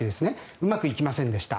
うまくいきませんでした。